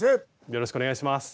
よろしくお願いします。